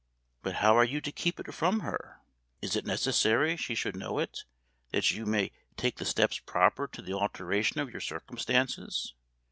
"But how are you to keep it from her? It is necessary she should know it, that you may take the steps proper to the alteration of your circumstances.